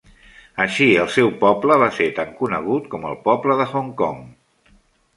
Així, el seu poble va ser tan conegut com el poble de Hong Kong.